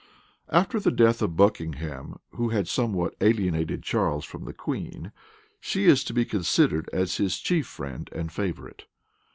After the death of Buckingham, who had somewhat alienated Charles from the queen, she is to be considered as his chief friend and favorite.